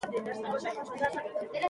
توس په اوسني وخت کي زيات ګرم دی.